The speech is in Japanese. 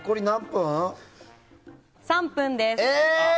３分です。